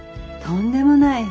とんでもない。